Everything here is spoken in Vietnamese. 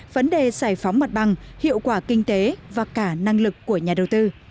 vấn đề giải phóng mặt bằng hiệu quả kinh tế và cả năng lực của nhà đầu tư